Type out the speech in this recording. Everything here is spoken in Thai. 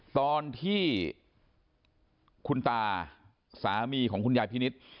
ตอนที่คุณตาสามีของคุณยายพินิษฐ์